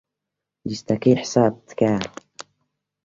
لیستەی حساب، تکایە.